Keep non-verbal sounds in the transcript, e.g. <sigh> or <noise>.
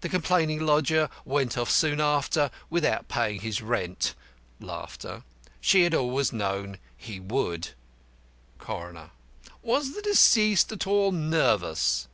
The complaining lodger went off soon after without paying his rent. <laughs> She had always known he would. The CORONER: Was deceased at all nervous?